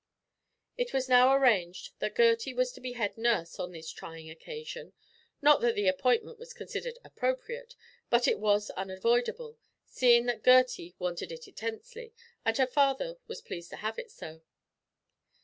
It was now arranged that Gertie was to be head nurse on this trying occasion not that the appointment was considered appropriate, but it was unavoidable, seeing that Gertie wanted it intensely, and her father was pleased to have it so.